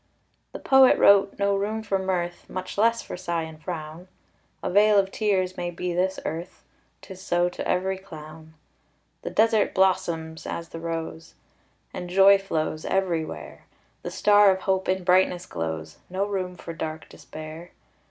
The poet wrote, "no room for mirth;" Much less for sigh and frown. "A vale of tears" may be this earth 'Tis so to every clown. The desert blossoms as the rose, And joy flows everywhere; The star of hope in brightness glows, No room for dark despair.